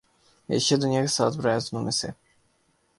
Asia دنیا کے سات براعظموں میں سے